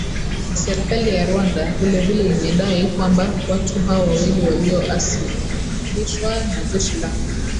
Serikali ya Rwanda vile vile imedai kwamba watu hao wawili walioasilishwa na jeshi la